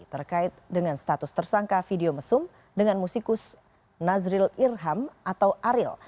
terkait dengan status tersangka video mesum dengan musikus nazril irham atau ariel